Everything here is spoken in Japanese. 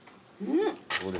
うん！